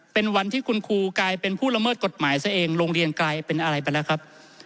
เป็นวันที่คุณครูกลายเป็นผู้ละเมิดกฎหมายซะเองโรงเรียนกลายเป็นอะไรไปแล้วครับ